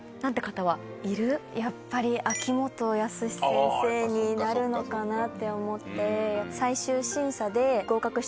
やっぱり秋元康先生になるのかなって思って。